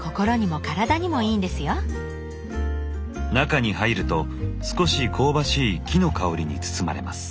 中に入ると少し香ばしい木の香りに包まれます。